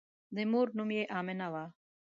د مور نوم یې آمنه وه.